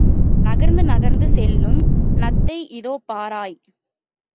நகர்ந்து நகர்ந்து செல்லும் நத்தை இதோ பாராய்.